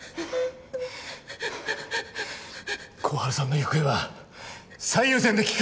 心春さんの行方は最優先で聞く！